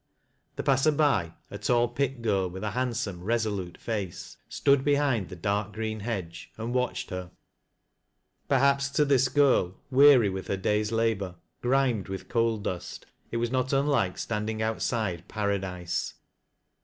This passer by — a tall pit girl with a handsome, resolute face — stood behind the dark green hedge, and watched her. Perhaps to this girl, weary with her day's labor, grimed with coal dust, it was not unlike standing outside paradise.